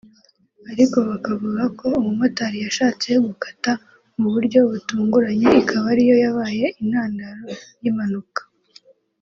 ariko bakavuga ko umumotari yashatse gukata mu buryo butunguranye ikaba ariyo yabaye intandaro y’impanuka